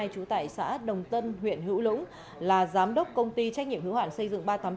trú tại xã đồng tân huyện hữu lũng là giám đốc công ty trách nhiệm hữu hoạn xây dựng ba trăm tám mươi chín